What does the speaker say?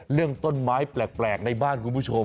เรื่องต้นไม้แปลกในบ้านคุณผู้ชม